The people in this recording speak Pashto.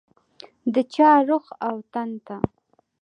د چا روح او تن ته